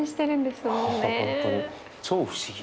超不思議。